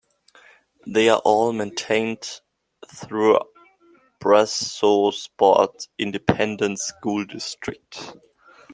They are all maintained through Brazosport Independent School District.